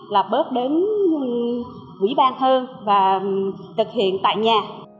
là bớt đến ủy ban thơ và thực hiện tại nhà